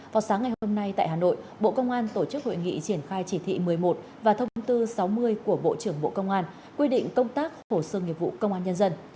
vào sáng ngày hôm nay tại hà nội bộ công an tổ chức hội nghị triển khai chỉ thị một mươi một và thông tư sáu mươi của bộ trưởng bộ công an quy định công tác phổ sư nghiệp vụ công an nhân dân